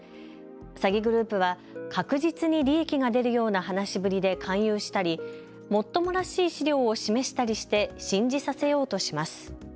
詐欺グループは確実に利益が出るような話しぶりで勧誘したりもっともらしい資料を示したりして信じさせようとします。